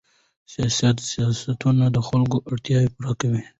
سیاسي سیاستونه د خلکو اړتیاوې پوره کوي